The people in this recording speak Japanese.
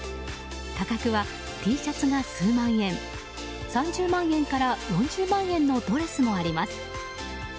価格はＴシャツが数万円３０万円から４０万円のドレスもあります。